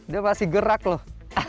dia masih gerak loh